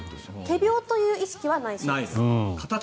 仮病という意識はないそうです。